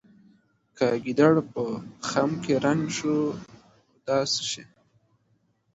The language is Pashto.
که ګیدړ په خم کې رنګ شو په دا څه شي.